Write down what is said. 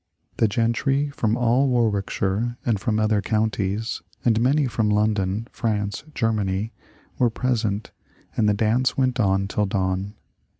The gentry from all Warwickshire and from other counties, and many from London, France, Germany, were present, and the dance went on till dawn.